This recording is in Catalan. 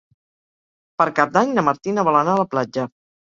Per Cap d'Any na Martina vol anar a la platja.